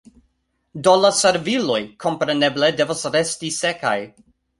Do la serviloj, kompreneble, devas resti sekaj.